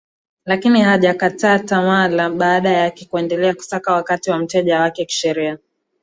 lakini hajakata tamaa na badala yake kuendelea kusaka wakati ya mteja wake kisheria